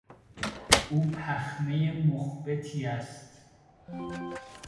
او پخمهی مخبطی است.